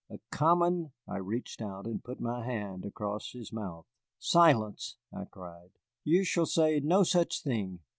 A common " I reached out and put my hand across his mouth. "Silence!" I cried; "you shall say no such thing.